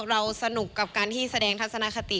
เราสนุกกับการที่แสดงทัศนคติ